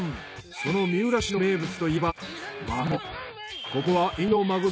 その三浦市の名物といえばマグロ。